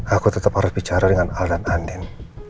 aku tetap harus bicara dengan al dan andin